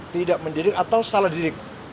tidak mendidik atau salah didik